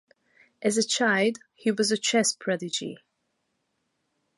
As a child, he was a chess prodigy.